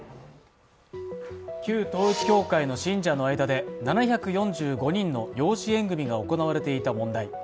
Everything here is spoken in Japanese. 旧統一教会の信者の間で７４５人の養子縁組が行われていた問題。